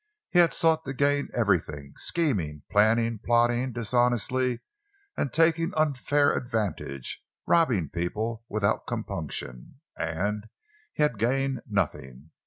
He had sought to gain everything—scheming, planning, plotting dishonestly; taking unfair advantage; robbing people without compunction—and he had gained nothing.